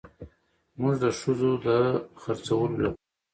موږ د ښځو د خرڅولو لپاره